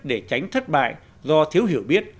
để tránh thất bại do thiếu hiểu biết